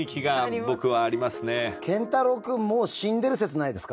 健太郎くんもう死んでる説ないですか？